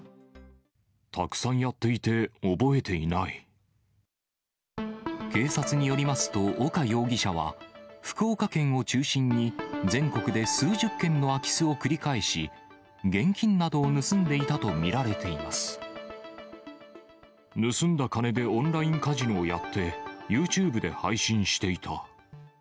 たくさんやっていて、覚えて警察によりますと、丘容疑者は、福岡県を中心に、全国で数十件の空き巣を繰り返し、現金などを盗んでいたと見られて盗んだ金でオンラインカジノをやって、ユーチューブで配信していた。